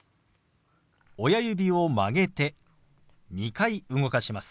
親指を曲げて２回動かします。